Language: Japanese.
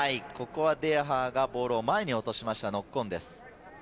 デヤハーがボールを前に落としました、ノックオンです。